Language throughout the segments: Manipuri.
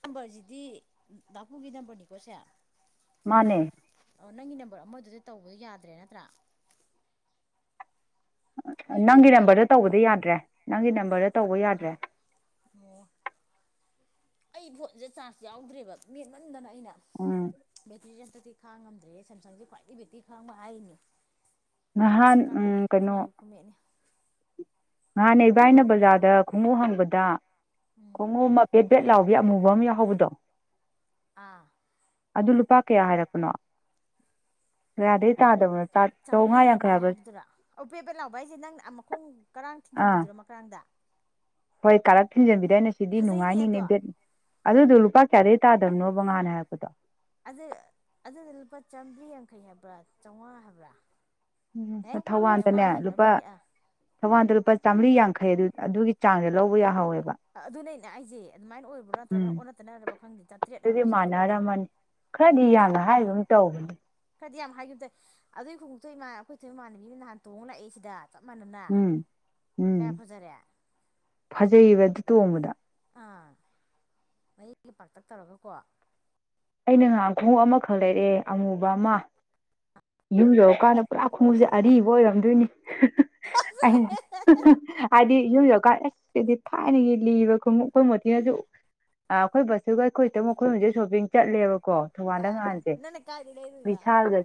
ꯅꯝꯕꯔꯁꯤꯗꯤ ꯅꯥꯄꯨꯒꯤ ꯅꯝꯕꯔꯅꯤꯀꯣ ꯁꯦ ꯃꯥꯅꯦ ꯑꯣ ꯅꯪꯒꯤ ꯅꯝꯕꯔ ꯑꯃꯗꯨꯗꯤ ꯇꯧꯕ ꯌꯥꯗ꯭ꯔꯦ ꯅꯠꯇ꯭ꯔꯥ ꯅꯪꯒꯤ ꯏꯌꯥꯔꯇꯦꯜꯗꯨꯗ ꯅꯝꯕꯔꯗ ꯇꯧꯕꯗꯤ ꯌꯥꯗ꯭ꯔꯦ ꯅꯪꯒꯤ ꯅꯝꯕꯔꯗ ꯇꯧꯕ ꯌꯥꯗ꯭ꯔꯦ ꯑꯥ ꯑꯣ ꯑꯩ ꯐꯣꯟꯁꯦ ꯆꯥꯔꯖ ꯌꯥꯎꯗ꯭ꯔꯦꯕ ꯃꯦꯟꯃꯟꯗꯅ ꯑꯩꯅ ꯎꯝ ꯕꯦꯇ꯭ꯔꯤꯁꯦ ꯑꯝꯇꯗꯤ ꯈꯥꯡꯉꯝꯗ꯭ꯔꯦ ꯁꯦꯝꯁꯪꯁꯦ ꯈ꯭ꯋꯥꯏꯗꯒꯤ ꯕꯦꯛꯇꯤ ꯈꯥꯡꯕ ꯍꯥꯏꯔꯤꯅꯤ ꯅꯍꯥꯟ ꯑꯁꯀꯅꯥ ꯎꯝ ꯀꯩꯅꯣ ꯈꯨꯨꯅꯥꯏ ꯈꯨ ꯃꯅꯦ ꯅꯍꯥꯟꯅꯦ ꯏꯕꯥꯏꯅ ꯕꯖꯥꯔꯗ ꯈꯣꯡꯎ ꯍꯪꯕꯗ ꯈꯣꯡꯉꯨ ꯃꯐꯦꯠ ꯕꯦꯠ ꯂꯥꯎꯕꯤꯦ ꯑꯃꯨꯕ ꯑꯃ ꯌꯥꯎꯍꯧꯕꯗꯣ ꯑꯥ [unintelligible] [inaudible] ꯑꯗꯨ ꯂꯨꯄꯥ ꯀꯌꯥ ꯍꯥꯏꯔꯛꯄꯅꯣ ꯔꯗꯩ ꯇꯥꯗꯕꯅꯠꯇ ꯆꯥꯝꯃꯔꯤꯅꯦ ꯍꯥꯏꯕꯗꯨꯥ ꯑꯣꯕꯦꯕꯦ ꯂꯥꯎꯕ ꯑꯩꯁꯦ ꯅꯪ ꯃꯈꯣꯡ ꯀꯔꯥꯡ ꯑꯥ ꯊꯤꯟꯖꯤꯟꯕꯤꯗꯔꯣ ꯀꯔꯥꯡ [unintelligible] [inaudible] ꯍꯣꯏ ꯀꯥꯔꯥ ꯊꯖꯃꯤ ꯑꯗꯨꯗ ꯑꯩꯅ ꯁꯤꯗꯤ ꯅꯨꯡꯉꯥꯏꯅꯤꯅꯦ ꯑꯗꯣ ꯚꯦꯠꯅꯤ ꯑꯗꯨꯗꯣ ꯂꯨꯄꯥ ꯀꯌꯥꯗꯒꯤꯩ ꯇꯥꯗꯕꯅꯣꯕ ꯉꯍꯥꯟꯅ ꯍꯥꯏꯔꯛꯄꯗꯣ ꯑꯗꯨ ꯑꯗꯨꯗꯤ ꯂꯨꯄꯥ ꯆꯥꯝꯃꯔꯤ ꯌꯥꯡꯈꯩ ꯍꯥꯏꯕ꯭ꯔꯥ ꯆꯥꯝꯃꯉꯥ ꯍꯥꯏꯕ꯭ꯔꯥ ꯎꯝ ꯑꯦ ꯊꯧꯕꯥꯜꯗꯅꯦ ꯆꯥꯝꯃꯉꯥ ꯍꯦꯟꯕ ꯂꯨꯄꯥ ꯃꯥꯜꯂꯤ ꯑꯥ ꯊꯕꯥꯟꯗ ꯂꯨꯄꯥ ꯆꯥꯝꯃꯔꯤ ꯌꯥꯡꯈꯩ ꯑꯗꯨ ꯑꯗꯨꯒꯤ ꯆꯥꯡꯗꯣ ꯂꯧꯕ ꯌꯥꯍꯧꯋꯦꯕ ꯑꯗꯨꯅꯩꯅ ꯑꯩꯁꯦ ꯑꯗꯨꯃꯥꯏꯅ ꯑꯣꯏꯕ꯭ꯔꯥ ꯅꯠꯇ꯭ꯔꯒꯅ ꯎꯝ ꯑꯣꯟꯅ ꯇꯅꯔꯕ ꯈꯪꯗꯦ ꯇꯥꯇ꯭ꯔꯦꯠ ꯑꯗꯨꯗꯤ ꯍꯥꯏꯕ꯭ꯔꯥ ꯆꯥꯇ꯭ꯔꯨꯛ ꯍꯥꯏꯕ꯭ꯔꯥ ꯃꯥꯟꯅꯔꯝꯃꯅꯤ ꯈꯔꯗꯤ ꯌꯥꯝꯅ ꯍꯥꯏꯕ ꯑꯃ ꯇꯧꯅꯦ ꯈꯗꯤ ꯌꯥꯝ ꯍꯥꯏꯈꯤꯕꯗꯏ ꯑꯗꯨꯒꯤ ꯈꯣꯡꯎꯪꯇꯣ ꯏꯃꯥꯟ ꯑꯩꯈꯣꯏꯁꯨ ꯏꯃꯥꯟꯅꯕꯤꯅ ꯅꯍꯥꯟ ꯇꯣꯡꯉ ꯂꯛꯏ ꯁꯤꯗ ꯆꯞ ꯃꯥꯟꯅꯅ ꯎꯝ ꯎꯝ ꯀꯌꯥ ꯐꯖꯔꯦ ꯐꯖꯩꯕ ꯑꯗꯨ ꯇꯣꯡꯕꯗ ꯑꯥ ꯃꯌꯦꯛꯒꯤ ꯄꯥꯥꯛꯇꯛ ꯇꯧꯔꯒꯀꯣ ꯑꯩꯅ ꯉꯍꯥ ꯈꯣꯡꯎꯞ ꯑꯃꯈꯛ ꯂꯩꯔꯑꯦ ꯑꯃꯨꯕ ꯑꯃ ꯌꯨ ꯌꯧꯔꯀꯥꯟꯗ ꯄꯨꯔꯥ ꯈꯣꯡꯎꯞꯁꯦ ꯑꯔꯤꯕ ꯑꯣꯏꯔꯝꯗꯣꯏꯅꯤ ꯑ ꯑꯗꯤ ꯌꯨꯝ ꯖꯒꯥ ꯁꯤꯗꯤ ꯊꯥꯏꯅꯒꯤ ꯂꯤꯕ ꯈꯣꯡꯎꯞ ꯑꯩꯈꯣꯏ ꯃꯣꯊꯤꯅꯁꯨ ꯑꯩꯈꯣꯏ ꯕ ꯑꯗꯨꯒ ꯑꯩꯈꯣꯏ ꯍꯦꯛꯇ ꯃꯈꯣꯏ ꯍꯧꯖꯤꯛ ꯁꯣꯞꯄꯤꯡ ꯆꯠꯂꯦꯕꯀꯣ ꯊꯧꯕꯥꯜꯗ ꯉꯍꯥꯟꯁꯦ ꯅꯪꯅ ꯀꯥꯏꯗꯩ ꯂꯩꯔꯨꯏꯕ ꯃꯤꯁꯥꯜꯗ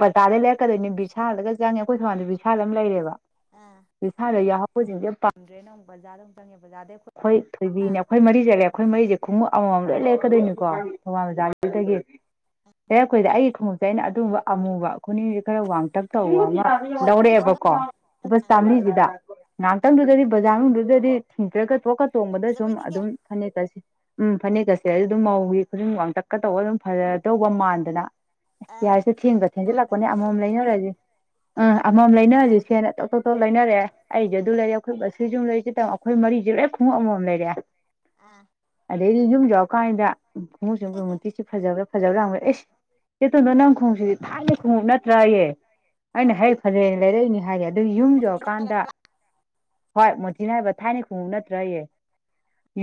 ꯕꯇꯥꯜꯗꯩ ꯂꯩꯔꯛꯀꯗꯣꯏꯅꯦ ꯕꯤꯁꯥꯜꯂꯒ ꯆꯪꯉꯦ ꯑꯩꯈꯣꯏ ꯊꯧꯕꯥꯜꯗ ꯕꯤꯚꯤꯁꯥꯜ ꯑꯃ ꯂꯩꯔꯦꯕ ꯑꯥ ꯏꯁꯥꯟꯅꯗ ꯌꯥꯍꯧꯕꯁꯤꯡꯁꯦ ꯌꯥꯝ ꯄꯥꯗ꯭ꯔꯦꯅ ꯑꯃꯨꯛ ꯕꯖꯥꯗꯨꯛ ꯆꯪꯉꯦ ꯕꯖꯥꯔꯗꯩ ꯑꯩꯈꯣꯏ ꯊꯣꯏꯕꯤꯅꯦ ꯑꯥ ꯑꯩꯈꯣꯏ ꯃꯔꯤꯖꯂꯦ ꯑꯩꯈꯣꯏ ꯃꯔꯤꯁꯦ ꯈꯣꯡꯎꯞ ꯑꯃꯃꯝ ꯂꯣꯏ ꯂꯦꯦꯛꯀꯗꯣꯏꯅꯤꯀꯣ ꯊꯧꯕꯥꯜ ꯖꯥꯁꯤꯗꯒꯤ ꯂꯩꯔꯛꯄꯨꯏꯗ ꯑꯩꯒꯤ ꯈꯣꯡꯎꯞꯁꯦ ꯑꯩꯅ ꯑꯗꯨꯒꯨꯝꯕ ꯑꯃꯨꯕ ꯈꯨꯅꯤꯡꯁꯦ ꯈꯔ ꯋꯥꯡꯇꯛ ꯇꯧꯕ ꯑꯃ ꯂꯧꯔꯛꯑꯦꯕꯀꯣ ꯂꯨ ꯆꯥꯝꯃꯔꯤꯁꯤꯗ ꯑꯥ ꯉꯥꯏꯍꯥꯛꯇꯪꯗꯨꯗꯗꯤ ꯕꯖꯥꯔꯅꯨꯡꯗꯨꯗꯗꯤ ꯊꯤꯡꯇꯔꯒ ꯊꯣꯛꯀ ꯆꯣꯡꯕꯗ ꯁꯨꯝ ꯐꯖꯕꯩꯅꯤꯅꯦ ꯑꯗꯨꯝ ꯐꯅꯦꯛꯀꯁꯤ ꯎꯝ ꯐꯅꯦꯛꯀꯁꯤ ꯁꯤ ꯑꯩ ꯑꯗꯨꯝ ꯃꯧꯒꯤ ꯈꯨꯗꯤꯟꯥꯡꯇꯛꯀ ꯇꯧꯕꯔꯒ ꯑꯗꯨꯝ ꯐꯖꯗꯧꯕ ꯃꯥꯟꯗꯅ ꯑꯥ ꯤꯌꯥꯔꯤꯁꯦ ꯊꯦꯡꯕ ꯅꯍꯥꯟ ꯊꯦꯡꯖꯤꯜꯂꯛꯄꯅꯦ ꯑꯩꯅ ꯑꯃꯃꯝ ꯇꯧꯕꯗꯣ ꯂꯩꯅꯔꯁꯤꯦ ꯎꯝ ꯑꯃꯃꯝ ꯂꯩꯅꯔꯁꯤ ꯁꯦꯅꯇꯧ ꯂꯩꯅꯔꯦ ꯑꯩꯁꯨꯦ ꯑꯗꯨ ꯂꯩꯔꯦ ꯑꯩꯈꯣꯏ ꯕꯁꯨ ꯂꯩꯔꯤꯦ ꯇ ꯑꯩꯈꯣꯏ ꯃꯔꯤꯁꯦ ꯂꯣꯏ ꯈꯣꯡꯎꯞ ꯑꯃꯝ ꯂꯩꯔꯦ ꯑꯥ ꯑꯗꯩꯗꯤ ꯌꯨꯝ ꯌꯧꯔꯀꯥꯟꯗ ꯈꯣꯡꯎꯨ ꯆꯃꯨꯇꯤꯁꯤ ꯐꯖꯕ꯭ꯔꯥ ꯐꯖꯕ ꯂꯥꯡꯕꯦ ꯑꯦꯁ ꯁꯦꯇꯣꯟꯗꯣ ꯅꯪ ꯈꯣꯡꯁꯤꯗꯤ ꯊꯥꯏꯅ ꯈꯣꯡꯎꯞ ꯅꯠꯇ꯭ꯔꯥꯌꯦꯦ ꯑꯩꯅ ꯀꯅꯥꯅ ꯍꯩ ꯐꯖꯩꯅ ꯂꯩꯔꯛꯏꯅꯤ ꯍꯥꯏꯔꯦ ꯑꯗꯨ ꯌꯨꯝ ꯌꯧꯔꯀꯥꯟꯗ ꯍꯣꯏ ꯃꯣꯊꯤꯅ ꯍꯥꯏꯕ ꯊꯥꯏꯅ ꯈꯣꯡꯎꯎ ꯅꯠꯇ꯭ꯔꯌꯦ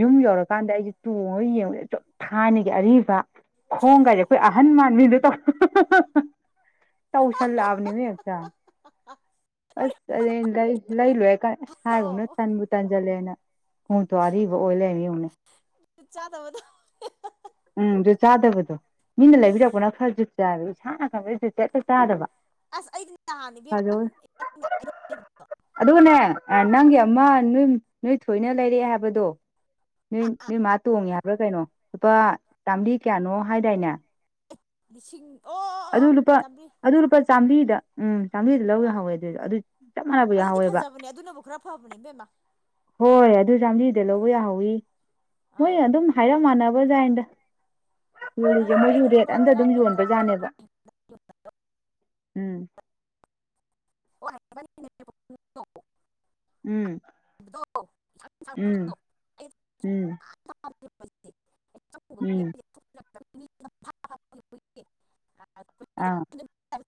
ꯌꯨꯝ ꯌꯧꯔꯀꯥꯟꯗ ꯑꯩꯁꯦ ꯇꯣꯡꯉꯒ ꯌꯦꯡꯗꯦ ꯑꯗꯨꯨꯝ ꯊꯥꯅꯤꯒꯤ ꯑꯔꯤꯕ ꯈꯣꯡ ꯀꯥꯏꯁꯦ ꯑꯩꯈꯣꯏ ꯑꯍꯟ ꯃꯥꯟꯃꯤꯗ ꯇꯧ ꯇꯥꯎꯁꯟ ꯂꯥꯕꯅꯤ ꯑꯗꯨ ꯂ ꯂ ꯂ ꯁꯒꯨꯝꯅ ꯁꯟꯕꯨ ꯇꯥꯟꯟꯖꯜꯂꯦꯅ ꯈꯣꯡꯇꯣ ꯑꯔꯤꯕ ꯑꯣꯏꯂꯦ ꯃꯤꯨꯝꯅꯦ ꯆꯥ ꯊꯕꯗꯨ ꯎꯝ ꯖꯨꯠ ꯆꯥꯗꯕꯗꯣ ꯃꯤꯅ ꯂꯩꯕꯤꯔꯛꯄꯅ ꯈꯔ ꯖꯨꯠ ꯆꯥꯕ ꯏꯁꯥꯅ ꯈꯪꯕ ꯨꯠ ꯆꯦꯀ ꯆꯥꯗꯕ ꯑꯁ ꯐꯖꯧꯋꯦ ꯑꯩꯗꯤꯗꯤꯍꯥꯟꯅꯤ ꯑꯗꯨꯒꯅꯦ ꯅꯪꯒꯤ ꯑꯃ ꯅꯣꯏ ꯊꯣꯏꯅ ꯂꯩꯔꯑꯦ ꯍꯥꯏꯕꯗꯣ ꯅꯣꯏ ꯃꯥ ꯇꯣꯡꯉꯦ ꯍꯥꯏꯕ꯭ꯔꯥ ꯀꯩꯅꯣ ꯂꯨꯄꯥ ꯑꯥ ꯆꯥꯝꯔꯤ ꯀꯌꯥꯅꯣ ꯍꯥꯏꯗꯥꯏꯅꯦ ꯂꯤꯁꯤꯡ ꯑꯣ ꯑꯣ ꯑꯣ ꯑꯗꯨ ꯑꯣ ꯂꯨꯄꯥ ꯆꯥꯝꯃꯔꯤ ꯑꯗꯨ ꯂꯨꯄꯥ ꯆꯥꯃꯔꯤꯗ ꯎꯝ ꯆꯥꯝꯔꯤꯗꯨ ꯂꯧ ꯑꯥ ꯌꯥꯍꯧꯋꯦ ꯑꯗꯨꯏꯗꯣ ꯑꯗꯨ ꯆꯞ ꯃꯥꯟꯅꯕ ꯑꯗꯨꯗꯤ ꯌꯥꯍꯧꯋꯦꯕ ꯐꯖꯕꯅꯦ ꯑꯗꯨꯅꯕꯨ ꯈꯔ ꯐꯕꯅꯦ ꯏꯕꯦꯝꯃ ꯍꯣꯏ ꯑꯗꯨ ꯆꯥꯝꯔꯤꯗ ꯂꯧꯕ ꯌꯥꯍꯧꯋꯤ ꯃꯣꯏ ꯑꯥ ꯑꯗꯨꯝ ꯍꯥꯏꯔꯞ ꯃꯥꯟꯅꯕꯖꯥꯥꯏꯟꯗ ꯌꯣꯜꯂꯤꯁꯦ ꯃꯥꯟꯅꯔꯤꯅꯤ ꯃꯣꯏꯁꯨ ꯀꯩꯅꯣ ꯔꯦꯠ ꯂꯨꯄꯥ ꯑꯝꯇ ꯇꯔꯥ ꯑꯗꯨꯝ ꯀꯨꯟ ꯇꯔꯥ ꯀꯨꯟ ꯌꯣꯟꯕꯖꯅꯦꯕ ꯎꯝ ꯑꯣ ꯎꯝ ꯎꯝ ꯎꯝ ꯇꯄ ꯎꯝ [unintelligible] ꯑꯥ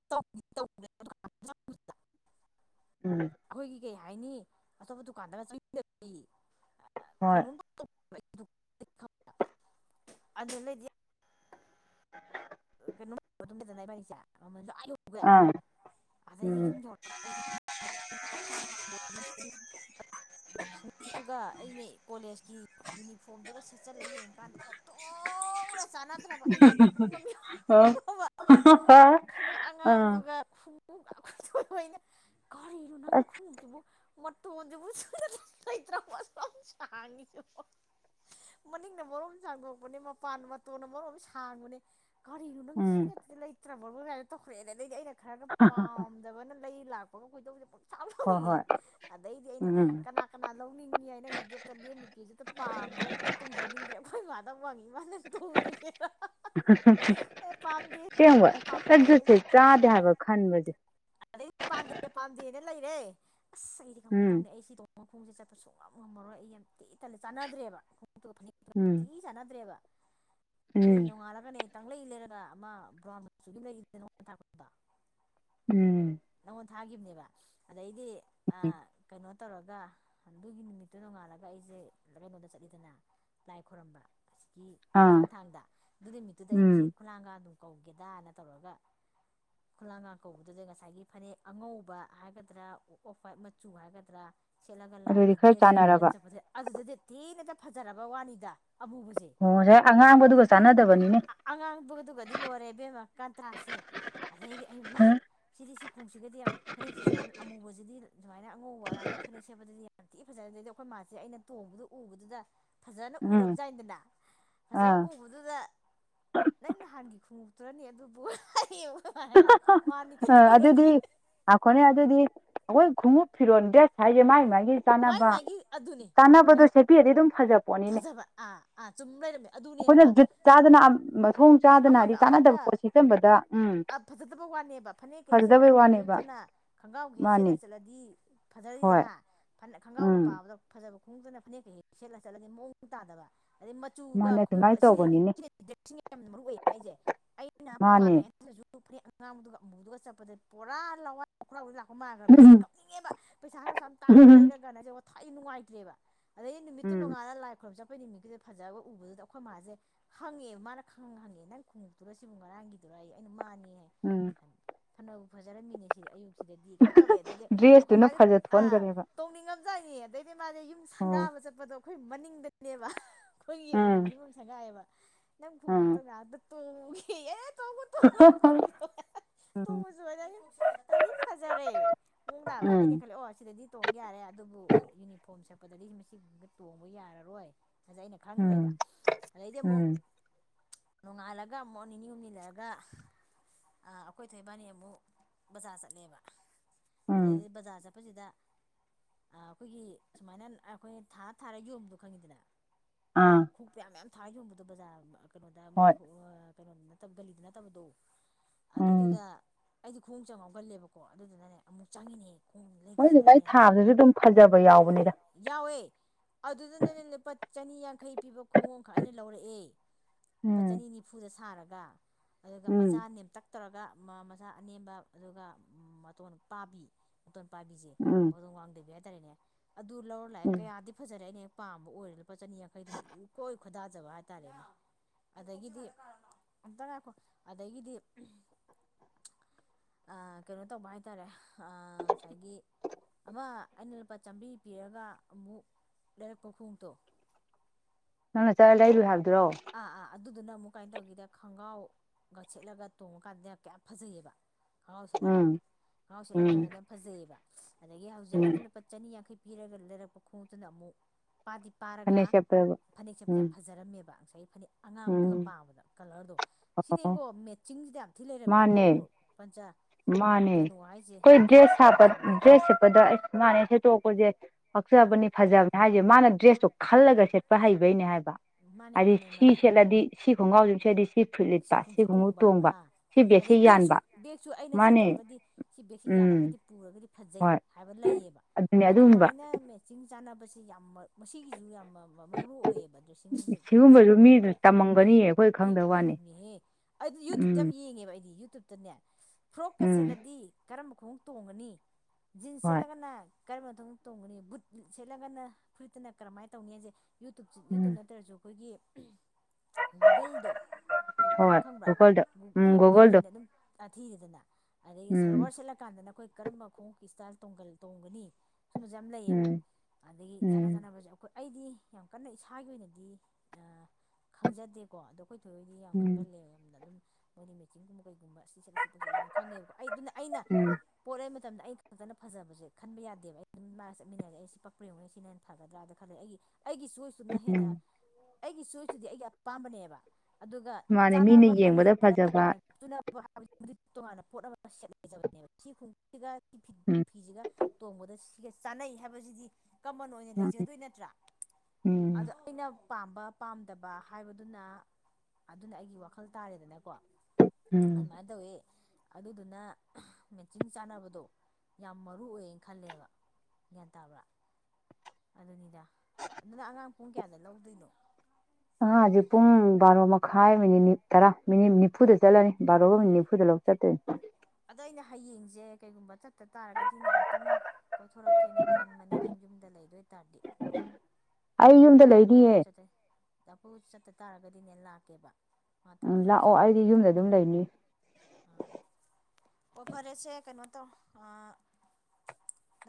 ꯇꯧ ꯇꯧ ꯎꯝ ꯑꯩꯈꯣꯏꯒꯤ ꯀꯩ ꯍꯥꯏꯅꯤ ꯑꯇꯣꯞꯄ ꯗꯨꯀꯥꯟꯗ ꯍꯣꯏ ꯀꯩꯅꯣꯝ ꯑꯗꯨ ꯂꯩꯗꯤ ꯎ ꯅꯨꯡ ꯑꯗꯨꯝꯗ ꯃꯅꯤꯁꯤ ꯑ ꯑꯥ ꯎꯝ ꯆ ꯑꯗꯨꯒ ꯑꯩꯅ ꯀꯣꯂꯦꯖ ꯀ ꯌꯨꯅꯤꯐꯣꯔꯝꯗꯨꯒ ꯁꯦꯠꯆꯜꯂ ꯌꯦꯡꯉꯀꯥꯟꯗ ꯑꯣꯇꯣꯞ ꯆꯥꯟꯅꯗ꯭ꯔꯕ ꯑꯩꯁꯦ ꯀꯞꯅꯤꯡ ꯃ ꯑ ꯑꯥ ꯈꯉꯈꯅ ꯀꯔꯤꯅꯣ ꯅꯪꯒꯤ ꯑꯁ ꯈꯣꯡꯎꯁꯤꯕꯨ ꯃ ꯊꯣꯡꯖꯕꯨ ꯏꯇꯔ ꯄꯁ ꯆ ꯃꯅꯤꯡꯅ ꯃꯔꯣ ꯑꯃ ꯆꯥꯡꯗꯣꯛꯄꯅꯦ ꯃꯄꯥꯟ ꯃꯇꯣꯟꯅ ꯃꯔꯣꯛ ꯑꯃ ꯁꯥꯡꯕꯅꯦ ꯀꯔꯤꯅꯣ ꯅꯪ ꯁꯤ ꯎꯝ ꯅꯠꯇ ꯂꯩꯇ꯭ꯔꯕ ꯀꯃꯥꯏꯗ ꯇꯧꯈ꯭ꯔꯛꯑꯦ ꯑꯗꯩꯗꯤ ꯑꯩꯅ ꯈꯔꯒ ꯄꯥꯝꯗꯕꯅ ꯂꯩ ꯂꯥꯛꯄꯒꯣ ꯀꯣꯏꯗꯧꯁꯦ ꯍ ꯍꯣꯏ ꯑꯗꯩꯗꯤ ꯑꯩꯅ ꯎꯝ ꯀꯅꯥ ꯀꯅꯥ ꯂꯧꯅꯤꯡꯉꯤ ꯍꯥꯏꯅ ꯍꯧꯖꯤꯦꯇ ꯂꯦꯝ ꯅꯨꯄꯤꯁꯤꯦꯇ ꯄꯥꯝꯗꯦ ꯍꯦꯛꯇ ꯇꯨꯡꯖꯅꯤꯡꯗ꯭ꯔ ꯃꯥꯗ ꯃꯉ ꯃꯅꯦ ꯇꯣꯡꯗ ꯀꯦ ꯁꯦꯡꯕ ꯄꯥꯝꯗꯦ ꯀꯖꯠꯁꯦ ꯆꯥꯗꯦ ꯍꯥꯏꯕ ꯈꯟꯕꯁꯦ ꯑꯗꯩꯗꯤ ꯄꯥꯟꯗꯦ ꯄꯥꯟꯗꯦꯅꯦ ꯂꯩꯔꯦ ꯑꯁ ꯑꯩꯗꯤ ꯀꯃꯥꯏꯅ ꯎꯝ ꯇꯧꯅꯤ ꯑꯩ ꯁꯤ ꯃꯈꯣꯡꯁꯦ ꯆꯠꯄ ꯁꯨꯡ ꯉꯝꯃꯔꯣꯏ ꯑꯩ ꯌꯥꯝ ꯇꯦ ꯇꯜꯂ ꯆꯥꯟꯅꯗ꯭ꯔꯦꯕ ꯎꯝ ꯐꯊꯤ ꯆꯥꯟꯅꯗ꯭ꯔꯦꯕ ꯅꯦ ꯎꯝ ꯅꯣꯡꯉꯥꯜꯂꯒꯅꯦ ꯇꯥꯡꯂꯛꯏ ꯂꯩꯔꯒ ꯑꯃ ꯕ꯭ꯔꯥꯎꯁꯨꯝ ꯂꯩ ꯅꯄꯗ ꯎꯝ ꯅꯪꯉꯣꯟ ꯊꯥꯒꯤꯈꯤꯕꯅꯦꯕ ꯑꯗꯩꯗꯤ ꯀꯩꯅꯣ ꯇꯧꯔꯒ ꯑꯗꯨꯒꯤ ꯅꯨꯃꯤꯠꯇꯨ ꯅꯣꯡꯉꯥꯜꯂꯒ ꯑꯩꯁꯦ ꯀꯩꯅꯣꯗ ꯆꯠꯂꯤꯗꯅ ꯂꯥꯏ ꯈꯣꯏꯔꯝꯕ ꯑꯁꯤꯒꯤꯛꯀꯤ ꯑꯥ ꯍꯤꯌꯥꯡꯊꯥꯡꯗ ꯑꯗꯨ ꯅꯨꯃꯤꯠꯇꯨꯗ ꯑꯩ ꯎꯝ ꯃꯁꯤ ꯈꯨꯂꯥꯡꯒꯗꯨ ꯀꯧꯒꯦꯗꯅ ꯇꯧꯔꯒ ꯈꯨꯂꯥꯡꯒꯥꯡ ꯀꯧꯕꯗꯨꯗ ꯉꯁꯥꯏꯒꯤ ꯐꯅꯦꯛ ꯑꯉꯧꯕ ꯍꯥꯏꯒꯗ꯭ꯔꯥꯐ꯭ꯏꯠ ꯃꯆꯨ ꯍꯥꯏꯒꯗ꯭ꯔꯥ ꯁꯦꯠꯂꯒ ꯑꯗꯨꯗꯤ ꯈꯔ ꯂꯥꯏꯒꯤꯗ꯭ꯔꯦ ꯁꯦꯠꯂꯒ ꯆꯥꯟꯅꯔꯕ ꯆꯠꯄꯗꯦ ꯑꯗꯨꯗꯗꯤ ꯊꯤꯅꯇ ꯐꯖꯔꯕ ꯋꯥꯅꯤꯗ ꯑꯃꯨꯕꯁꯦ ꯑꯣꯁ ꯑꯉꯥꯡꯕꯗꯨꯒ ꯆꯥꯟꯅꯗꯕꯅꯤꯅꯦ ꯑꯉꯥꯡꯗꯨꯗꯨꯒꯗꯤ ꯂꯣꯏꯔꯦ ꯏꯕꯦꯝꯃ ꯀꯟꯇ꯭ꯔꯥꯁꯦ ꯑꯗꯩꯗꯤ ꯑꯩ ꯁꯤꯗꯤ ꯃꯈꯣꯡꯁꯤꯒꯗꯤ ꯐꯅꯦꯛꯁꯤꯦ ꯁꯨꯃꯥꯏꯅ ꯑꯃꯨꯕꯁꯤꯗꯤ ꯁꯨꯃꯥꯏꯅ ꯑꯉꯧꯕ ꯑꯔꯥꯡꯀ ꯐꯅꯦꯛ ꯁꯦꯠꯄꯗꯗꯤ ꯀ꯭ꯋꯥꯇꯤ ꯐꯖꯅꯗꯩꯗ ꯑꯩꯈꯣꯏ ꯃꯥꯁꯦ ꯑꯩꯅ ꯇꯣꯡꯕꯗꯨꯗ ꯎꯕꯗꯨꯗ ꯐꯖꯅ ꯎꯝ ꯎꯔꯕꯖꯥꯏꯗꯅ ꯐꯖꯅ ꯑꯥ ꯎꯕꯗꯨꯗ ꯅꯪ ꯅꯍꯥꯟꯒꯤ ꯈꯣꯡꯉꯇꯨꯔꯅꯤ ꯑꯗꯨꯕꯨ ꯍꯡ ꯍꯥꯏꯅ ꯃꯥꯔꯅꯤ ꯑ ꯑꯗꯨꯗꯤ ꯑꯩꯈꯣꯏꯅꯦ ꯑꯗꯨꯗꯤ ꯑꯩꯈꯣꯏ ꯈꯣꯡꯎꯞ ꯐꯤꯔꯣꯜ ꯗꯦꯁ ꯍꯥꯏꯁꯦ ꯃꯥꯏ ꯃꯥꯏ ꯒꯤ ꯃꯥꯏ ꯆꯥꯅꯕ ꯃꯥꯏꯒꯤ ꯑꯗꯨꯅꯦ ꯆꯥꯅꯕꯗꯣ ꯁꯦꯠꯄꯤꯔꯗꯤ ꯑꯗꯨꯝ ꯐꯖ ꯄꯣꯠꯅꯤꯅꯦ ꯐꯖꯕ ꯑꯥ ꯑꯥ ꯆꯨꯝ ꯂꯩꯔꯝꯃꯦ ꯑꯩꯈꯣꯏꯅ ꯑꯗꯨꯅꯦꯕ ꯖꯨꯠ ꯆꯥꯗꯅ ꯃꯊꯣꯡ ꯆꯥꯗꯅ ꯍꯥꯏꯗꯤ ꯑꯃꯒ ꯆꯥꯟꯅꯗꯕ ꯑꯃꯒ ꯄꯣꯠ ꯁꯤꯆꯕꯗ ꯎꯝ ꯑ ꯐꯖꯗꯕ ꯋꯥꯅꯦꯕ ꯐꯅꯦꯛꯀꯩꯦꯛ ꯐꯖꯗꯕꯩ ꯁꯦꯠꯀꯗꯕ ꯋꯥꯅꯦꯕ ꯈꯣꯡꯎꯞꯇꯨꯅ ꯈꯣꯡꯒ꯭ꯔꯥꯎꯒ ꯍꯦꯛ ꯃꯥꯅꯤ ꯁꯦꯠꯂ ꯆꯠꯂꯗꯤ ꯐꯖꯔꯤꯁꯦ ꯍꯣꯏ ꯍꯥ ꯐꯅ ꯈꯣꯡꯒ꯭ꯔꯥꯎꯒ ꯎꯝ ꯄꯥꯕꯗ ꯐꯖꯕ ꯈꯣꯡꯇꯅ ꯐꯅꯦꯛꯀ ꯍꯦꯛ ꯁꯦꯠꯂ ꯆꯠꯂꯗꯤ ꯃꯑꯣꯡ ꯇꯥꯗꯕ ꯑꯗꯩ ꯃꯆꯨꯒ ꯃꯥꯅꯦ ꯈꯣꯡꯎꯞꯀ ꯑꯗꯨꯃꯥꯏꯅ ꯑꯁꯤꯗꯤ ꯇꯧꯕꯅꯤꯅꯦ ꯌꯥꯝꯅ ꯃꯔꯨ ꯑꯣꯏ ꯑꯩꯁꯦ ꯑꯩꯅ ꯃꯥꯅꯦ ꯄꯥꯝꯃꯦ ꯁꯤꯗꯁꯨ ꯑ ꯐꯔꯤ ꯑꯉꯥꯡꯗꯨꯒ ꯑꯃꯨꯗꯨꯒ ꯆꯠꯄꯗ ꯄꯨꯣꯔꯥ ꯂꯥꯎꯏꯥꯎ ꯍꯣ ꯃꯥꯟꯈ꯭ꯔꯕ ꯑꯩꯗꯤ ꯎꯝ ꯀꯞꯅꯤꯡꯉꯦꯕ ꯄꯩꯁꯥ ꯍꯅꯁꯨ ꯌꯥꯝ ꯇꯥꯡꯉꯩ ꯎꯝ ꯂꯩꯔꯒꯅꯁꯦ ꯊꯥꯏ ꯅꯨꯡꯉꯥꯏꯇ꯭ꯔꯦꯕ ꯑꯗꯩ ꯅꯨꯃꯤꯠꯇꯣ ꯎꯝ ꯅꯣꯡꯉꯥꯗ ꯂꯥꯏꯈ꯭ꯔꯕ ꯑꯩꯈꯣꯏ ꯅꯨꯃꯤꯠꯇꯨꯗ ꯐꯖꯒ ꯎꯕꯗꯨꯗ ꯑꯩꯈꯣꯏ ꯃꯥꯁꯦ ꯍꯪꯉꯦꯕ ꯃꯥꯅ ꯈꯪ ꯍꯪꯉꯦ ꯅꯪ ꯈꯣꯡꯉꯨꯇꯨꯨꯔꯣ ꯁꯤꯕꯨ ꯉꯔꯥꯡꯒꯤꯗꯣ ꯑꯩꯅ ꯃꯥꯅꯤ ꯎꯝ ꯐꯅꯕꯨ ꯐꯖꯔꯝꯃꯤꯅꯦ ꯁꯤꯗꯤ ꯑꯌꯨꯛꯁꯤꯗꯗꯤ ꯀꯃꯥꯏꯅ ꯇꯧꯔꯛꯑꯦ ꯑꯗꯩꯗꯤ ꯑꯩꯈꯣꯏ ꯗ꯭ꯔꯦꯁꯇꯨꯅ ꯃꯥꯥꯏꯁꯦ ꯐꯖ ꯑꯥ ꯊꯣꯛꯍꯟꯈ꯭ꯔꯦꯕ ꯅꯤꯡꯉꯝꯖꯥꯏꯅꯦ ꯑꯗꯩꯗꯤ ꯃꯥꯁꯦ ꯌꯨꯝ ꯎꯝ ꯁꯪꯒꯥꯕ ꯆꯠꯄꯗꯣ ꯑꯩꯈꯣꯏ ꯃꯅꯤꯡꯗꯅꯦꯕ ꯈꯣꯏꯟ ꯌꯦꯡꯕꯅꯤ ꯎꯝ ꯃꯤꯃ ꯁꯪꯒꯥꯏꯑꯕ ꯅꯪ ꯣꯡꯛꯇ ꯌꯥꯗ ꯇꯨꯡ ꯎꯝ ꯑꯩ ꯐꯖꯔꯦ ꯃꯣꯡ ꯥꯕꯩ ꯑꯩꯅ ꯎꯝ ꯈꯜꯂꯛꯑꯣ ꯁꯤꯗꯗꯤ ꯇꯣꯡ ꯌꯥꯔꯦ ꯑꯗꯨꯕꯨ ꯌꯨꯅꯤꯐꯣꯔꯝ ꯁꯦꯠꯄꯗꯗꯤ ꯃꯁꯤꯒꯨꯝꯕ ꯇꯣꯡꯕ ꯌꯥꯔꯔꯣꯏ ꯑꯁ ꯑꯩꯅ ꯈꯪꯈ꯭ꯔꯦꯕ ꯎꯝ ꯑꯗꯩꯗꯤ ꯑꯃꯨꯛ ꯎꯝ ꯅꯣꯡꯉꯥꯜꯂꯒ ꯑꯃꯨ ꯅꯤꯅꯤ ꯍꯨꯝꯅꯤ ꯂꯩꯔꯒ ꯑꯩꯈꯣꯏ ꯊꯣꯏꯕꯥꯅꯤ ꯑꯃꯨꯛ ꯕꯖꯥꯔ ꯆꯠꯂꯦꯕ ꯎꯝ ꯑꯗꯩꯗꯤ ꯕꯖꯥꯔ ꯆꯠꯄꯁꯤꯗ ꯑ ꯑꯩꯈꯣꯏꯒꯤ ꯁꯨꯃꯥꯏꯅ ꯑꯩꯈꯣꯏ ꯊꯥ ꯊꯥꯔ ꯌꯣꯟꯕꯗꯣ ꯈꯪꯉꯤꯗꯅ ꯑꯥ [unintelligible] ꯍꯣꯏ ꯀꯩꯅꯣꯗꯨ ꯅꯠꯇꯕ ꯒꯂꯤꯗ ꯅꯠꯇꯕꯗꯣ ꯎꯝ ꯑꯗꯨꯗꯨꯗ ꯑꯩꯗꯤ ꯈꯣꯡ ꯆꯪꯉꯥꯎꯒꯜꯂꯦꯕꯀꯣ ꯑꯗꯨꯗꯨꯅꯅꯦ ꯑꯃꯨꯛ ꯆꯪꯉꯤꯅꯦꯍ ꯈꯣꯡ ꯂꯩꯈꯤꯁꯤꯔꯅꯦꯅ ꯑꯗꯨꯁꯨ ꯑꯗꯨꯝ ꯐꯖꯕ ꯌꯥꯎꯕꯅꯤꯗ ꯌꯥꯎꯋꯦ ꯑꯗꯨꯗꯅꯅꯦ ꯂꯨꯄꯥ ꯆꯅꯤ ꯌꯥꯡꯈꯩ ꯄꯤꯕ ꯈꯨꯡꯎꯣꯡꯈꯛ ꯑꯩꯅ ꯂꯧꯔꯛꯑꯦ ꯂꯨꯄꯥ ꯎꯝ ꯆꯅꯤ ꯅꯤꯐꯨꯗ ꯁꯥꯔꯒ ꯑꯗꯨꯒ ꯎꯝ ꯃꯆꯥ ꯅꯦꯝꯇꯛ ꯇꯧꯔꯒ ꯃꯆꯥ ꯑꯅꯦꯝꯕ ꯑꯗꯨꯒ ꯃꯇꯣꯟ ꯄꯥꯕꯤ ꯃꯇꯣꯟ ꯄꯥꯕꯤꯁꯦ ꯎꯝ ꯃꯗꯣꯡ ꯋꯥꯡꯥꯡꯗꯕꯤ ꯍꯥꯏꯇꯥꯔꯦꯅꯦ ꯑꯗꯨ ꯂꯧꯔ ꯂꯥꯛꯑꯦ ꯎꯝ ꯀꯌꯥꯗꯤ ꯐꯖꯔꯦ ꯑꯩꯅ ꯍꯦꯛ ꯄꯥꯝꯕ ꯑꯣꯏꯔ ꯂꯨꯄꯥ ꯆꯅꯤꯌꯥꯡꯈꯩꯗꯨ ꯏꯀꯣꯏ ꯈꯣꯏꯗꯥꯖꯕ ꯍꯥꯏꯇꯥꯔꯦꯅꯦ ꯑꯗꯒꯤꯗꯤ ꯑꯝꯇ ꯉꯀꯣ ꯑꯗꯒꯤꯗꯤ ꯀꯩꯅꯣ ꯇꯧꯕ ꯍꯥꯏꯇꯥꯔꯦ ꯉꯁꯥꯏꯒꯤ ꯑꯃ ꯑꯩꯅ ꯂꯨꯄꯥ ꯆꯥꯃꯔꯤ ꯄꯤꯔꯒ ꯑꯃꯨꯛ ꯂꯩꯔꯛꯄ ꯈꯣꯡꯎꯇꯣ ꯅꯪꯅ ꯆꯠꯂ ꯂꯩꯗꯨ ꯍꯥꯏꯕꯗ꯭ꯔꯣ ꯑꯥ ꯑꯥ ꯑꯗꯨꯗꯨꯅ ꯑꯃꯨꯛ ꯀꯥꯏꯅ ꯇꯧꯒꯦꯗ ꯈꯣꯡꯒ꯭ꯔꯥꯎꯒ ꯁꯦꯠꯂꯒ ꯇꯣꯡꯉꯀꯥꯟꯗ ꯀꯌꯥꯝ ꯐꯖꯩꯌꯦꯕ ꯈꯍꯥꯎ ꯁꯦꯠꯂꯒ ꯎꯝ ꯈꯥꯥꯎ ꯁꯦꯠꯂ ꯎꯝ ꯇꯣꯡꯕꯗ ꯌꯥꯝ ꯐꯖꯩꯌꯦꯕ ꯑꯗꯒꯤ ꯍꯧꯖꯤꯛ ꯎꯝ ꯑꯩꯅ ꯂꯨꯄꯥ ꯆꯅꯤ ꯌꯥꯡꯈꯩ ꯄꯤꯔꯒ ꯂꯩꯔꯛꯄ ꯈꯣꯡꯎꯇꯨꯅ ꯑꯃꯨꯛ ꯄꯥꯗꯤ ꯄꯥꯔꯒ ꯐꯅꯦꯛ ꯁꯦꯠꯄꯗꯕꯨ ꯐꯅꯦꯛ ꯁꯦꯠꯄꯗ ꯎꯝ ꯌꯥꯝ ꯐꯖꯔꯝꯃꯦꯕ ꯉꯁꯥꯏꯒꯤ ꯐꯅꯦꯛ ꯎꯝ ꯑꯉꯥꯡꯕꯗꯨꯒ ꯄꯥꯕꯗ ꯀꯂꯔꯗꯣ ꯁꯤꯅꯦ ꯑꯣ ꯏꯕꯣ ꯃꯦꯠꯆꯤꯡꯁꯤꯗꯤ ꯌꯥꯝ ꯊꯤ ꯂꯩꯔꯝꯃꯦꯕꯣ ꯃꯥꯅꯦ ꯄꯟꯆꯥ ꯃꯥꯅꯦ ꯀꯩꯅꯣ ꯍꯥꯏꯁꯦ ꯑꯩꯈꯣꯏ ꯗ꯭ꯔꯦꯁꯀꯤ ꯗ꯭ꯔꯦꯁꯄ ꯐꯖꯕ ꯍꯥꯏꯁꯦ ꯗ꯭ꯔꯦꯁ ꯁꯤꯠꯄꯗ ꯑꯁ ꯃꯥꯅꯦ ꯇꯣꯛꯄꯁꯦ ꯑꯥ ꯀꯛꯆꯕꯅꯤ ꯐꯖꯕꯅꯤ ꯍꯥꯏꯁꯦ ꯃꯥꯅ ꯗ꯭ꯔꯦꯁꯇꯨ ꯈꯜꯂꯒ ꯁꯦꯠꯄ ꯍꯩꯕꯩꯅꯦ ꯍꯥꯏꯕ ꯃꯥꯅꯦ ꯍꯥꯏꯗꯤ ꯃꯥꯅꯦ ꯁꯤ ꯃꯥꯅꯦ ꯁꯦꯠꯂꯗꯤ ꯁꯤ ꯈꯣꯡꯒꯥꯎꯖꯤ ꯁꯦꯠꯗꯤ ꯁꯤ ꯐꯨꯠ ꯂꯤꯠꯄ ꯁꯤ ꯈꯣꯡꯎꯨ ꯇꯣꯡꯕ ꯁꯤ ꯑꯗꯩ ꯕꯦꯒꯁꯤ ꯕꯦꯒꯁꯨ ꯌꯥꯟꯕ ꯕꯦꯒꯁꯨ ꯑꯩꯅ ꯁꯤ ꯃꯥꯅꯦ ꯇꯧꯔꯒꯗꯤ ꯁꯤ ꯕꯦꯒꯁꯤ ꯎꯝ ꯌꯥꯜꯂꯒꯗꯤ ꯄꯨꯔꯒ ꯐꯖꯩ ꯍꯣꯏ ꯍꯥꯏꯕ ꯂꯩꯌꯦꯕ ꯑꯗꯨꯅꯦ ꯑꯗꯨꯒꯨꯝꯕ ꯑꯗꯨꯃꯥꯏꯅ ꯃꯦꯆꯤꯡ ꯆꯥꯟꯅꯕꯁꯦ ꯌꯥꯝ ꯃꯁꯤꯒꯤꯁꯨ ꯌꯥꯝ ꯃꯔꯨ ꯑꯣꯏꯌꯦꯕ ꯗ꯭ꯔꯦꯁꯤꯡ ꯁꯤꯒꯨꯝꯕꯁꯨ ꯁꯦꯠꯄ ꯃꯤꯗꯨ ꯃꯇꯝꯗ ꯇꯝꯃꯝꯒꯅꯤꯌꯦ ꯑꯩꯈꯣꯏ ꯏ ꯈꯪꯗꯕ ꯋꯥꯅꯤ ꯂꯩꯔꯤꯅꯦꯍꯦ ꯑꯩ ꯌꯨꯇꯨꯞꯇ ꯌꯥꯝ ꯎꯝ ꯌꯦꯡꯉꯦꯕ ꯑꯩꯗꯤ ꯌꯨꯇꯨꯞꯇꯅꯦ ꯐ꯭ꯔꯣꯛꯀ ꯎꯝ ꯁꯦꯠꯂꯗꯤ ꯀꯔꯝꯕ ꯈꯣꯡ ꯇꯣꯡꯉꯅꯤ ꯖꯤꯟꯁ ꯍꯣꯏ ꯁꯦꯠꯂꯒꯅ ꯀꯔꯝꯕ ꯊꯗ ꯇꯣꯡꯒꯅꯤ ꯕꯨꯠ ꯁꯦꯠꯂꯒꯅ ꯐꯨꯔꯤꯠꯇꯅ ꯀꯔꯝꯃꯥꯏꯅ ꯇꯧꯅꯤ ꯍꯥꯏꯁꯦ ꯌꯨꯇꯨꯞ ꯌꯨꯇꯨꯞ ꯎꯝ ꯅꯠꯇ꯭ꯔꯁꯨ ꯑꯩꯈꯣꯏꯒꯤ ꯒꯨꯒꯜꯗꯣ ꯈꯪꯕ꯭ꯔꯥ ꯍ ꯒꯣꯜꯗ ꯎꯝ ꯒꯣꯜꯗꯨꯣ ꯒꯨꯒꯜꯗꯅꯦ ꯑꯗꯨꯝ ꯊꯤꯔꯦꯗꯅ ꯑꯗꯒꯤ ꯁꯜꯋꯥꯔ ꯁꯦꯠꯂꯀꯥꯟꯗꯅ ꯑꯩꯈꯣꯏ ꯀꯔꯝꯕ ꯈꯣꯡꯎꯞꯀꯤ ꯏꯁꯇꯥꯏꯜ ꯇꯣꯡꯒꯜ ꯇꯣꯡꯒꯅꯤ ꯁꯨꯝꯕꯁꯦ ꯌꯥꯝ ꯂꯩꯌꯦꯕ ꯎꯝ ꯑꯗꯒꯤ ꯆꯥꯅ ꯎꯝ ꯆꯥꯅꯕꯁꯦ ꯑꯩꯈꯣꯏ ꯑꯩꯗꯤ ꯌꯥꯝ ꯀꯟꯅ ꯏꯁꯥꯒꯤ ꯑꯣꯏꯅꯗꯤ ꯈꯪꯖꯗꯦꯀꯣ ꯑꯗꯣ ꯑꯩꯈꯣꯏ ꯊꯣꯏꯗꯤ ꯌꯥꯝ ꯎꯝ ꯈꯪꯒꯜꯂꯦ ꯌꯥꯝꯅ ꯑꯗꯨꯝ ꯃꯣꯏꯗꯤ ꯃꯦꯆꯤꯡꯒꯨꯝꯕ ꯒꯨꯝ ꯈꯪꯅꯩꯕ ꯑꯩ ꯑꯗꯨꯅ ꯑꯩꯅ ꯎꯝ ꯄꯣꯠ ꯃꯇꯝꯗ ꯑꯩ ꯈꯛꯇꯅ ꯐꯖꯕꯁꯦ ꯈꯟꯕ ꯌꯥꯗꯦꯕ ꯑꯩ ꯑꯗꯨꯝ ꯃꯥꯒ ꯆꯠꯃꯤꯟꯅꯔꯦ ꯑꯩ ꯁꯤ ꯄꯛꯄꯔꯤꯡꯨꯅꯤ ꯁꯤꯅ ꯍꯦ ꯐꯒꯗ꯭ꯔꯥꯅ ꯈꯜꯂꯦ ꯑꯩꯒꯤ ꯑꯩꯒꯤ ꯁꯣꯏꯁꯇꯨꯅ ꯎꯝ ꯍꯦꯟꯅ ꯑꯩꯒꯤ ꯁꯣꯏꯁꯇꯨꯗꯤ ꯑꯩꯒꯤ ꯑꯄꯥꯝꯕꯅꯦꯕ ꯑꯗꯨꯒ ꯃꯥꯅꯦ ꯃꯤꯅ ꯆꯥꯅꯕ ꯌꯦꯡꯕꯗ ꯐꯖꯕ ꯇꯣꯉꯥꯟꯥꯟꯕ ꯄꯣꯠ ꯑꯃ ꯁꯦꯠ ꯂꯩꯖꯕꯅꯦꯕ ꯁꯤ ꯁꯤꯒ ꯎꯝ ꯐꯤꯁꯤꯒ ꯇꯣꯡꯕꯗ ꯁꯤꯒ ꯆꯥꯅꯩ ꯍꯥꯏꯕꯁꯤꯗꯤ ꯀꯃꯟ ꯑꯣꯏꯅ ꯂꯩꯖꯗꯣꯏ ꯅꯠꯇ꯭ꯔꯥ ꯎꯝ ꯑꯗꯣ ꯑꯩꯅ ꯄꯥꯝꯕ ꯄꯥꯝꯗꯕ ꯍꯥꯏꯕꯗꯨꯅ ꯑꯗꯨꯅ ꯑꯩꯒꯤ ꯋꯥꯈꯜ ꯇꯥꯔꯦꯗꯅꯀꯣ ꯑꯗꯨ ꯎꯝ ꯃꯗꯋꯦ ꯑꯗꯨꯗꯨꯅ ꯃꯦꯆꯤꯟ ꯆꯥꯟꯅꯕꯗꯣ ꯌꯥꯝ ꯃꯔꯨ ꯑꯣꯏꯌꯦꯅ ꯈꯜꯂꯦꯕ ꯒ꯭ꯌꯥꯟ ꯇꯥꯕ꯭ꯔꯥ ꯑꯗꯨꯅꯤꯗ ꯑꯗꯨꯅ ꯑꯉꯥꯡ ꯄꯨꯡ ꯀꯌꯥꯅ ꯂꯧꯗꯣꯏꯅꯣ ꯑ ꯍꯧꯖꯤꯛ ꯄꯨꯡ ꯕꯥꯔꯣ ꯃꯈꯥꯏ ꯃꯤꯅꯤꯠ ꯇꯔꯥ ꯃꯤꯅꯤꯠ ꯅꯤꯐꯨꯗ ꯆꯠꯂꯅꯤ ꯕꯥꯔꯣꯒ ꯃꯤꯅꯤꯠ ꯅꯤꯐꯨꯗ ꯂꯧ ꯆꯠꯇꯣꯏꯅꯤ ꯑꯗꯣ ꯑꯩꯅ ꯍꯌꯦꯡꯁꯦ ꯀꯩꯒꯨꯝꯕ ꯆꯠ ꯍ ꯇ ꯇꯥꯔꯒꯗꯤ ꯉꯥꯏꯍꯥꯛꯇꯪ ꯀꯣꯏꯊꯣꯔꯛꯀꯦꯅ ꯈꯟꯕꯅꯦ ꯅꯪ ꯌꯨꯝꯗ ꯂꯩꯗꯣꯏꯇꯥꯔꯗꯤ ꯑꯩ ꯌꯨꯝꯗ ꯀꯩꯒꯨꯝꯕ ꯂꯩꯅꯤꯌꯦ ꯐꯨ ꯆꯠꯇꯩ ꯐꯨ ꯆꯠꯇ ꯇꯥꯔꯒꯗꯤ ꯁꯤꯅꯦ ꯂꯥꯛꯀꯦꯕ ꯃꯥ ꯎꯝ ꯊꯕꯛ ꯂꯥꯛꯑꯣ ꯁꯪꯅꯤꯡꯕ ꯑꯩꯗꯤ ꯌꯨꯝꯗ ꯑꯣꯏꯇꯥꯔꯗꯤ ꯑꯗꯨꯝ ꯂꯩꯅꯤ ꯑꯥ ꯑꯣ ꯐꯔꯦꯁꯦ ꯀꯩꯅꯣ ꯇ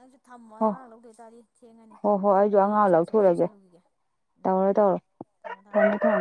ꯑ ꯊꯝꯃꯣ ꯍꯣ ꯑꯉꯥꯡ ꯂꯧꯗꯣꯏꯇꯥꯔꯗꯤ ꯊꯦꯡꯉꯅꯤ ꯍꯣ ꯑꯗꯣ ꯑꯩꯁꯨ ꯆꯥꯔꯖ ꯑꯝꯇ ꯇꯧꯁꯜꯂꯨꯈꯤꯒꯦ ꯎꯝ ꯇꯧꯔ ꯎꯝ ꯇꯔ ꯊꯝꯃꯣ ꯊꯝꯃꯣ ꯊ ꯑꯥ ꯊ